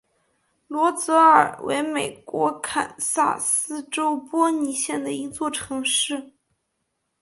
罗泽尔为美国堪萨斯州波尼县的一座城市。